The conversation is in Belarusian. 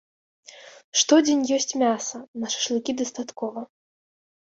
Штодзень ёсць мяса, на шашлыкі дастаткова.